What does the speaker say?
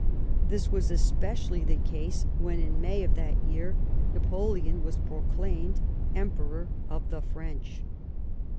This was especially the case when, in May of that year, Napoleon was proclaimed Emperor of the French.